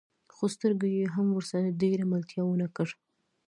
خو سترګو يې هم ورسره ډېره ملتيا ونه کړه.